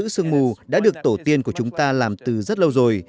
sương mù đã được tổ tiên của chúng ta làm từ rất lâu rồi